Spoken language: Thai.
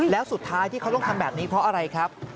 แล้วสุดท้ายที่เขาต้องทำแบบนี้เพราะอะไรครับ